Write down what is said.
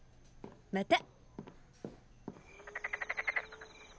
また。